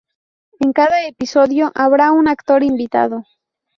En cada episodio habrá un actor invitado.